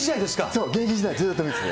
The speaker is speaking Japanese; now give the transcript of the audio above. そう、現役時代ずっと見てて。